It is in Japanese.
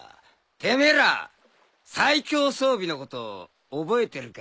てめえら最強装備のことを覚えてるか？